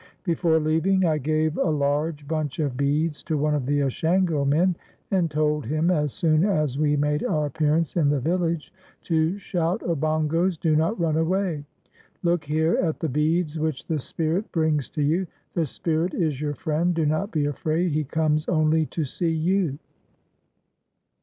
Before leaving I gave a large bunch of beads to one of the Ashango men, and told him as soon as we made our appearance in the village to shout, "Obongos, do not run away. Look here at the beads which the Spirit brings to you. The Spirit is your friend; do not be afraid; he comes only to see you."